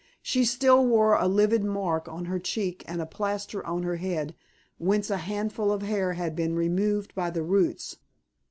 She still wore a livid mark on her cheek and a plaster on her head whence a handful of hair had been removed by the roots.